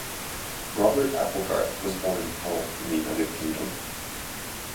Robert Applegarth was born in Hull in the United Kingdom.